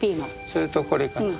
それとこれかな。